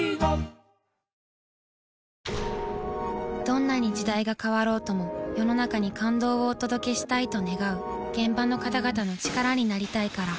どんなに時代が変わろうとも世の中に感動をお届けしたいと願う現場の方々の力になりたいから。